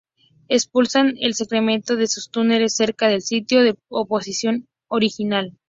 Expulsan el excremento de sus túneles cerca del sitio de oviposición original.